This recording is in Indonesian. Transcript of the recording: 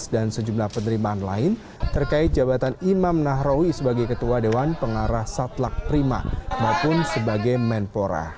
dan sejumlah penerimaan lain terkait jabatan imam nahrawi sebagai ketua dewan pengarah satlak prima bahkan sebagai menpora